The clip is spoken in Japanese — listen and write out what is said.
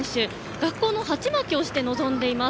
学校の鉢巻きをして臨んでいます。